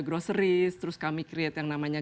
groceries terus kami create yang namanya